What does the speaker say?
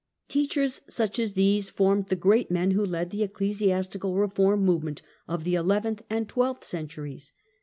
Teachers such as these formed the great men who led the ecclesiastical reform movement of the eleventh and twelfth centuries.